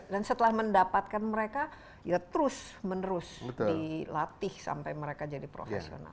dan setelah mendapatkan mereka ya terus menerus dilatih sampai mereka jadi profesional